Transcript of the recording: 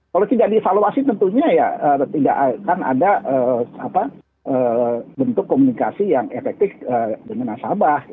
kalau tidak dievaluasi tentunya ya tidak akan ada bentuk komunikasi yang efektif dengan nasabah